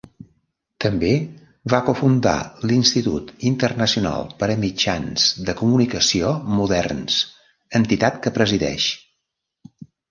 També va cofundar l'Institut Internacional per a Mitjans de Comunicació Moderns, entitat que presideix.